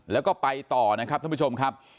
แล้วก็ไปต่อนะครับท่านผู้ชมครับ